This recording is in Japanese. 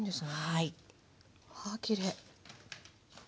はあきれい。